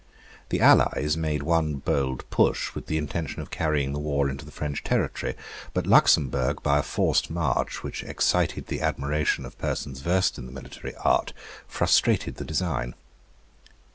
The allies made one bold push with the intention of carrying the war into the French territory; but Luxemburg, by a forced march, which excited the admiration of persons versed in the military art, frustrated the design.